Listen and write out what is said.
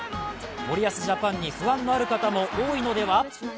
森保ジャパンに不安のある方も多いのでは？